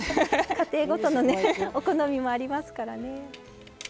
家庭ごとのお好みもありますからね。